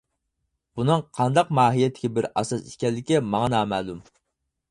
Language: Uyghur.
بۇنىڭ قانداق ماھىيەتتىكى بىر ئاساس ئىكەنلىكى ماڭا نامەلۇم.